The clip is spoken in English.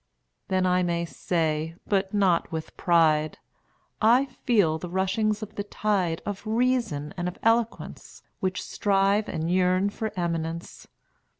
Then I may say, but not with pride, I feel the rushings of the tide Of reason and of eloquence, Which strive and yearn for eminence.